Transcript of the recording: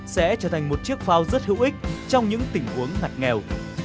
sẽ trở thành một chiếc phao rất hữu ích trong những tình huống ngặt nghèo